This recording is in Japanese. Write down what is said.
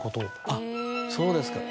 あっそうですか。